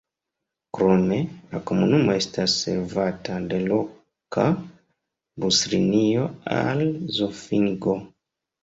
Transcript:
Krome la komunumo estas servata de loka buslinio al Zofingo.